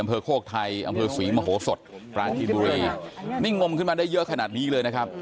โคกไทยอำเภอศรีมโหสดปราจีนบุรีนี่งมขึ้นมาได้เยอะขนาดนี้เลยนะครับ